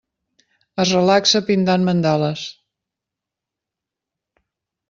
Es relaxa pintant mandales.